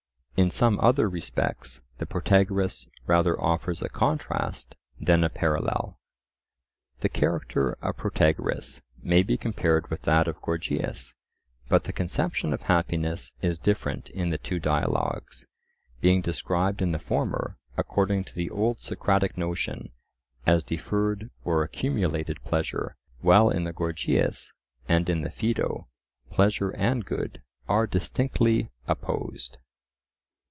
In some other respects the Protagoras rather offers a contrast than a parallel. The character of Protagoras may be compared with that of Gorgias, but the conception of happiness is different in the two dialogues; being described in the former, according to the old Socratic notion, as deferred or accumulated pleasure, while in the Gorgias, and in the Phaedo, pleasure and good are distinctly opposed.